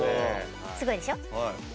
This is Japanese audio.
すごいでしょ？